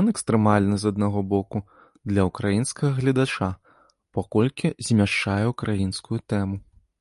Ён экстрэмальны, з аднаго боку, для ўкраінскага гледача, паколькі змяшчае ўкраінскую тэму.